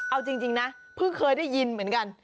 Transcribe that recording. เอาจริงนะเพิ่งเคยได้ยินเหมือนกัน